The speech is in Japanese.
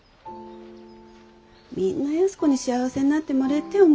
みんな安子に幸せになってもれえてえ思